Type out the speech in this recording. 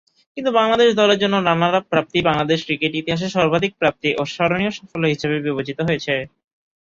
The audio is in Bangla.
কিন্তু বাংলাদেশ দলের জন্য রানার-আপ প্রাপ্তি বাংলাদেশের ক্রিকেট ইতিহাসে সর্বাধিক প্রাপ্তি ও স্মরণীয় সাফল্য হিসেবে বিবেচিত হয়েছে।